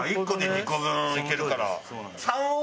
１個で２個分いけるから。